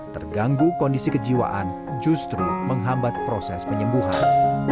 terganggu kondisi kejiwaan justru menghambat proses penyembuhan